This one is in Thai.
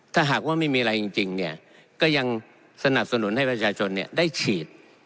ถ้าหากว่าไม่มีอะไรจริงเนี่ยก็ยังสนับสนุนให้ประชาชนได้ฉีด